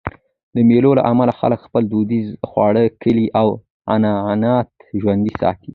د مېلو له امله خلک خپل دودیز خواړه، کالي او عنعنات ژوندي ساتي.